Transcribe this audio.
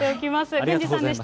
郡司さんでした。